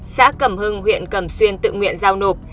xã cầm hưng huyện cầm xuyên tự nguyện giao nộp